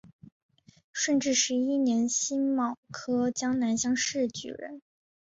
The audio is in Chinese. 顺治十一年辛卯科江南乡试举人。